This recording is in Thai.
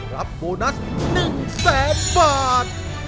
รับโบนัส๑๐๐๐๐๐บาท